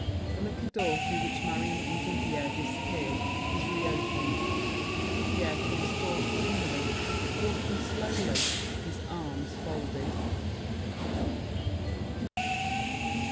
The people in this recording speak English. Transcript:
The little door through which Marion and Didier disappeared is re opened. Didier comes forth dreamily, walking slowly, his arms folded.